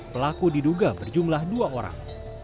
pelaku diduga berjumlah dua orang